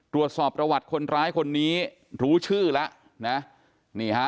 ตรวจสอบประวัติคนร้ายคนนี้รู้ชื่อแล้วนะนี่ฮะ